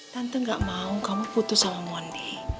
tante gak mau kamu putus sama mondi